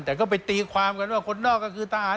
แต่ก็ไปตีความกันว่าคนนอกก็คือทหาร